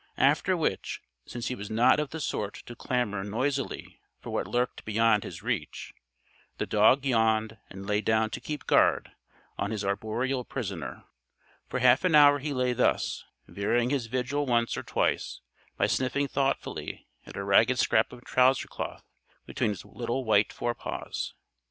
After which, since he was not of the sort to clamor noisily for what lurked beyond his reach, the dog yawned and lay down to keep guard on his arboreal prisoner. For half an hour he lay thus, varying his vigil once or twice by sniffing thoughtfully at a ragged scrap of trouser cloth between his little white forepaws.